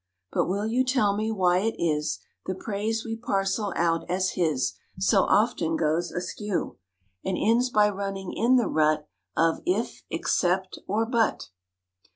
But will you tell me why it is The praise we parcel out as his So often goes askew, And ends by running in the rut Of "if," "except" or "but"?